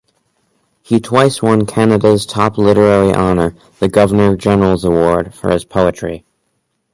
He twice won Canada's top literary honor, the Governor General's Award, for his poetry.